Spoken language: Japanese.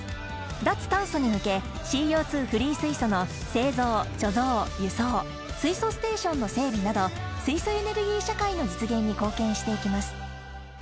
脱炭素に向けＣＯ２フリー水素の製造・貯蔵・輸送水素ステーションの整備など水素エネルギー社会の実現に貢献していきます